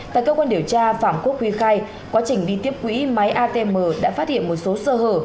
tại cơ quan điều tra phạm quốc huy khai quá trình đi tiếp quỹ máy atm đã phát hiện một số sơ hở